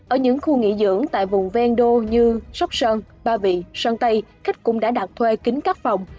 ở những khu nghỉ dưỡng tại vùng ven đô như sóc sơn ba vị sơn tây khách cũng đã đặt thuê kính các phòng